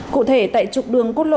cụ thể tại trục đường cốt lộ